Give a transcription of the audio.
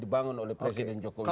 dibangun oleh presiden joko widodo